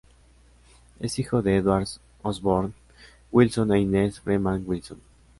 Es hijo de Edward Osborne Wilson e Inez Freeman Wilson.